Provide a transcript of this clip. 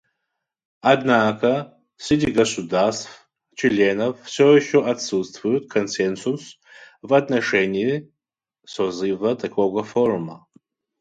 Однако среди государств-членов все еще отсутствует консенсус в отношении созыва такого форума.